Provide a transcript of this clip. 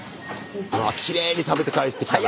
きれいに食べて返してきたな。